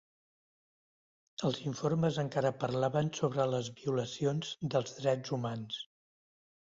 Els informes encara parlaven sobre les violacions dels drets humans.